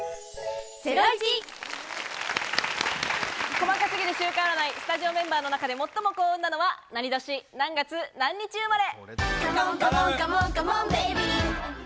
細か過ぎる週間占い、スタジオメンバーの中で最も幸運なのは何年、何月何日生まれ。